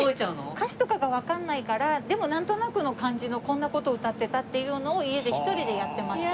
歌詞とかがわからないからでもなんとなくの感じのこんな事を歌ってたっていうのを家で一人でやってました。